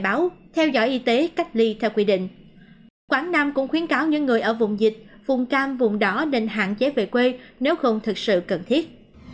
quán nam cũng khuyến cáo những người ở vùng dịch vùng cam vùng đỏ nên hạn chế về quê nếu không thực sự cần thiết